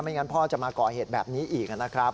งั้นพ่อจะมาก่อเหตุแบบนี้อีกนะครับ